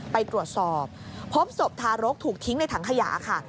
ไปตรวจสอบพบศพทารกถูกทิ้งในถังขยะค่ะ